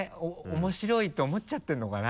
面白いと思っちゃってるのかな？